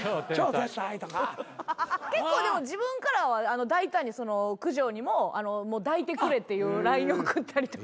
結構でも自分からは大胆に九条にも抱いてくれっていうＬＩＮＥ送ったりとか。